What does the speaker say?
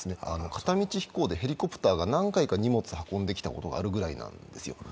片道飛行でヘリコプターが何回か荷物を運んできたことがあるぐらいなんですよ。